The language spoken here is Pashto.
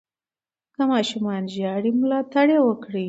که ماشوم ژاړي، ملاتړ یې وکړئ.